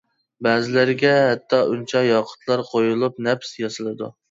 بەزىلىرىگە ھەتتا ئۈنچە-ياقۇتلار قويۇلۇپ نەپىس ياسىلىدۇ.